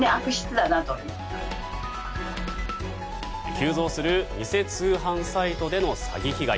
急増する偽通販サイトでの詐欺被害。